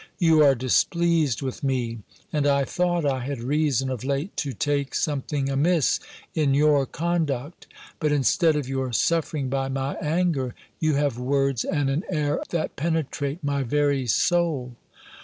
You are displeased with me, and I thought I had reason, of late, to take something amiss in your conduct; but, instead of your suffering by my anger, you have words and an air that penetrate my very soul."